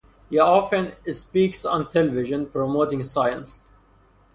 He often speaks on television, promoting science.